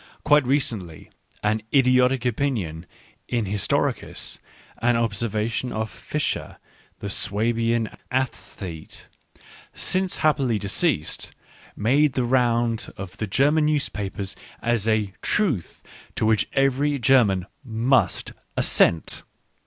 Quite recently an idiotic opinion in historicis, an observation of Vischer the Swabian aesthete, since happily deceased, made the round of the German newspapers as a " truth " to wliich every German must assent.